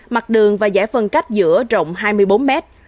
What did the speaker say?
mặt đường và giải phân cách giữa rộng hai mươi bốn mét